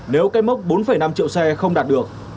nếu cái mốc bốn năm triệu xe không đạt được